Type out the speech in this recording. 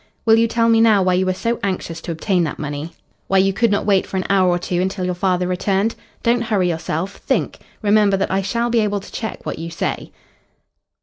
"Will you tell me now why you were so anxious to obtain that money why you could not wait for an hour or two until your father returned? Don't hurry yourself. Think. Remember that I shall be able to check what you say."